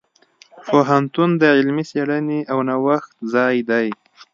پوهنتون د علمي څیړنې او نوښت ځای دی.